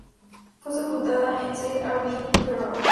Fue sepultada en Saint-Aubin-du-Perron.